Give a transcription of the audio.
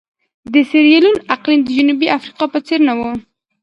د سیریلیون اقلیم د جنوبي افریقا په څېر نه وو.